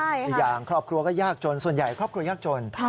อีกอย่างครอบครัวก็ยากจนส่วนใหญ่ครอบครัวยากจน